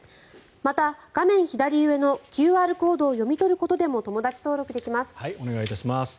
また、画面左上のＱＲコードを読み取ることでもお願いいたします。